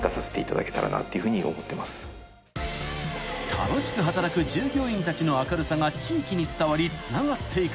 ［楽しく働く従業員たちの明るさが地域に伝わりつながっていく］